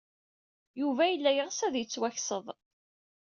Yuba yella yeɣs ad yettwakseḍ.